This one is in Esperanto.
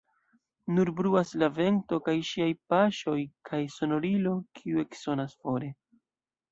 Nur bruas la vento kaj ŝiaj paŝoj, kaj sonorilo, kiu eksonas fore.